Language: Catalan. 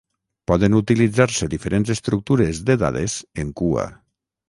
Poden utilitzar-se diferents estructures de dades en cua.